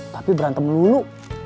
tapi berantem lulu